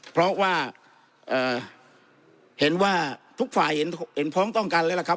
เพราะว่าเห็นว่าทุกฝ่ายเห็นพ้องต้องกันเลยล่ะครับ